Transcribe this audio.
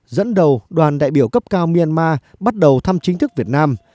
dẫn đầu đoàn đại biểu cấp cao myanmar bắt đầu thăm chính thức việt nam